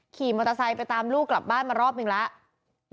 ขี่มอเตอร์ไซค์ไปตามลูกกลับบ้านมารอบหนึ่งแล้ว